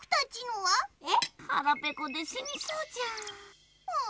はらぺこでしにそうじゃーん。